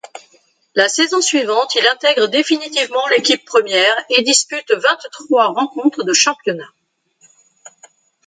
La saison suivante, il intègre définitivement l'équipe première et dispute vingt-trois rencontres de championnat.